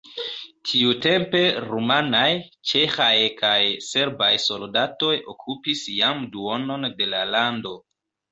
Tiutempe rumanaj, ĉeĥaj kaj serbaj soldatoj okupis jam duonon de la lando.